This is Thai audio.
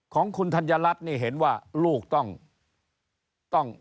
ของคุณธัญลักษณ์นี่เห็นว่าลูกต้อง